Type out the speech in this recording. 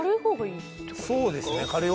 そうですね。